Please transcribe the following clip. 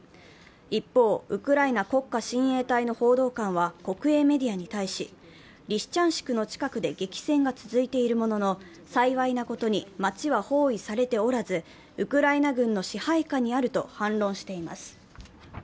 一方、ウクライナ国家親衛隊の報道官は、国営メディアに対しリシチャンシクの近くで激戦が続いているものの、幸いなことに街は包囲されておらず、ウクライナ軍の支配下にあると反論しています。